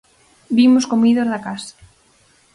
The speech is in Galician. Vimos comidos da casa.